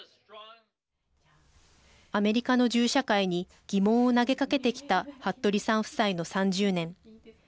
アメリカの銃社会に疑問を投げかけてきた服部さん夫妻の３０年。